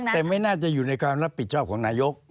แต่ไม่น่าจะอยู่ในความรับผิดชอบของนายก